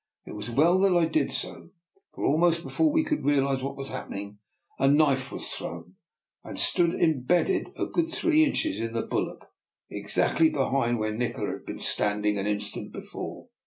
It was well that I did so, for almost before we could realise what was happening a knife was thrown, and stood imbedded a good three inches in the bulwark, exactly behind where 134 DR. NIKOLA'S EXPERIMENT. Nikola had been standing an instant before.